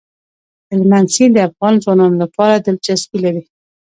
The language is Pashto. هلمند سیند د افغان ځوانانو لپاره دلچسپي لري.